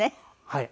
はい。